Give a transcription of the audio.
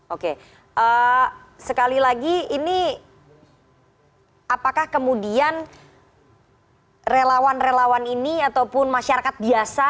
oke sekali lagi ini apakah kemudian relawan relawan ini ataupun masyarakat biasa